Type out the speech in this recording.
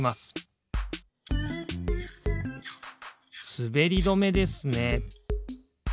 すべりどめですね。